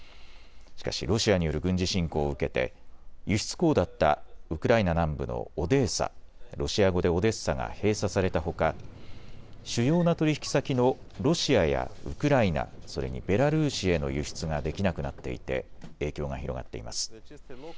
しかしロシアによる軍事侵攻を受けて輸出港だったウクライナ南部のオデーサ・ロシア語でオデッサが閉鎖されたほか主要な取引先のロシアやウクライナ、それにベラルーシへの輸出ができなくなっていて影響が広がっています。